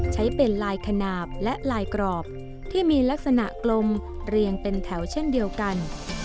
ใช้เป็นลายขนาดและลายกรอบที่มีลักษณะกลมเรียงเป็นแถวเช่นเดียวกัน